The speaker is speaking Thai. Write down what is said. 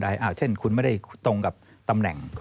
เช่นคุณไม่ได้ตรงกับตำแหน่ง